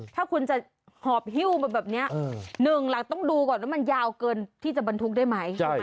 ถ้าคุณจะหอบฮิ้วมาแบบนี้หนึ่งหลักต้องดูก่อนว่ามันยาวเกินที่จะบรรทุกได้ไหม